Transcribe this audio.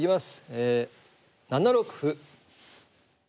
え７六歩。